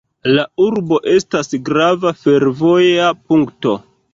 La urbo estas grava fervoja punkto.